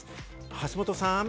橋本さん。